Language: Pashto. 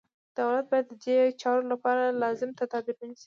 دولت باید ددې چارو لپاره لازم تدابیر ونیسي.